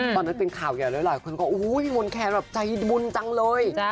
ตอนนั้นเป็นข่าวใหญ่เลยหลายคนก็โอ้โหพี่มนแคนแบบใจบุญจังเลย